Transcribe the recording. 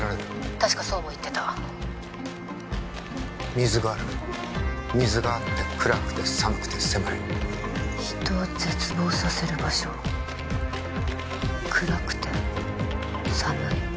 ☎確かそうも言ってた水がある水があって暗くて寒くて狭い人を絶望させる場所暗くて寒い